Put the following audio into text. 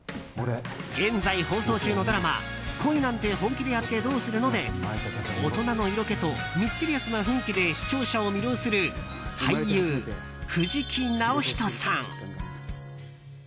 現在放送中のドラマ「恋なんて、本気でやってどうするの？」で大人の色気とミステリアスな雰囲気で視聴者を魅了する俳優・藤木直人さん。